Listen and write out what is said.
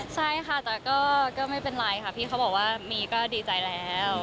ใช่ค่ะแต่ก็ไม่เป็นไรค่ะพี่เขาบอกว่ามีก็ดีใจแล้ว